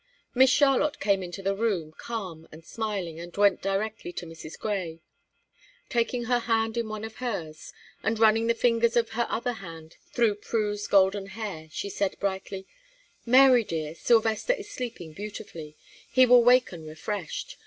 Miss Charlotte came into the room, calm and smiling, and went directly to Mrs. Grey. Taking her hand in one of hers, and running the fingers of her other hand through Prue's golden hair, she said, brightly: "Mary, dear, Sylvester is sleeping beautifully; he will waken refreshed.